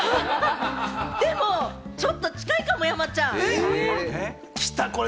でも、ちょっと近いかも山ちゃん！きたこれ！